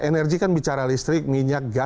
energi kan bicara listrik minyak gas